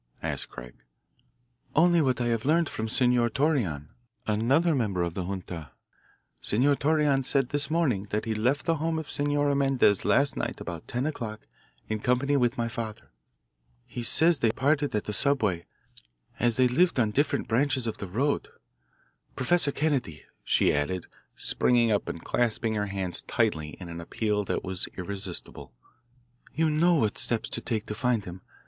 asked Craig. "Only what I have learned from Senor Torreon, another member of the junta. Senor Torreon said this morning that he left the home of Senora Mendez last night about ten o'clock in company with my father. He says they parted at the subway, as they lived on different branches of the road. Professor Kennedy," she added, springing up and clasping her hands tightly in an appeal that was irresistible, "you know what steps to take to find him.